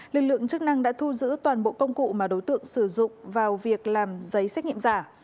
lực lượng chức năng đã thu giữ toàn bộ công cụ mà đối tượng sử dụng vào việc làm giấy xét nghiệm giả